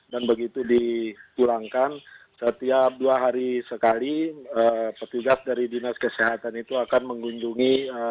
dan begitu diulangkan setiap dua hari sekali petugas dari dinas kesehatan itu akan mengunjungi